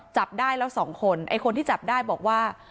จับได้แล้วสองคนไอ้คนที่จับได้บอกว่า